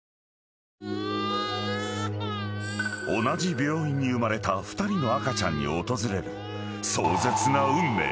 ［同じ病院に生まれた２人の赤ちゃんに訪れる］